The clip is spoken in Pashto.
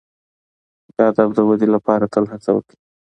د ادب د ودي لپاره تل هڅه وکړئ.